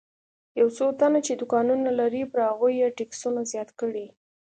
یو څو تنه چې دوکانونه لري پر هغوی یې ټکسونه زیات کړي.